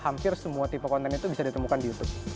hampir semua tipe konten itu bisa ditemukan di youtube